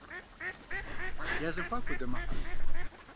Я зэхуаку удэмыхьэ.